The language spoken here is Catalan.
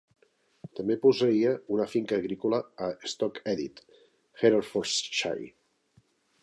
També posseïa una finca agrícola a Stoke Edith, Herefordshire.